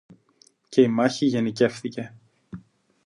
Και η μάχη γενικεύθηκε